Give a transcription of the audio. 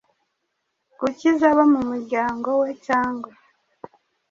gukiza abo mu muryango we cyangwa